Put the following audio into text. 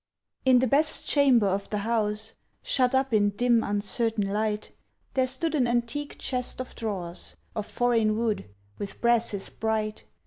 In the best chamber of the house, Shut up in dim, uncertain light, There stood an antique chest of drawers, Of foreign wood, with brasses bright.